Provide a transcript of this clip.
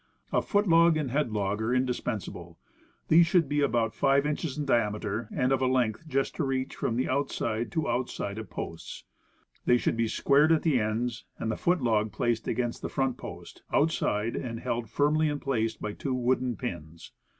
A foot log and head log are indispensable. These should be about 5 inches in diameter, and of a length to just reach from outside to outside of posts. They should be squared at ends, and the foot log placed against the front post, out side, and held firmly in place by two wooden pins.